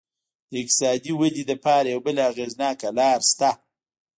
د اقتصادي ودې لپاره یوه بله اغېزناکه لار شته.